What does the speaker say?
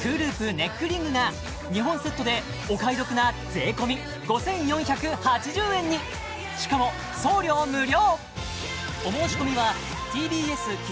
ネックリングが２本セットでお買い得な税込５４８０円にしかも送料無料！